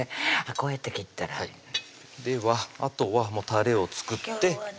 こうやって切ったらではあとはたれを作って今日はね